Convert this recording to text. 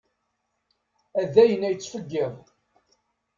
A dayen ad yettfeggiḍ.